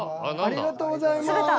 ありがとうございます。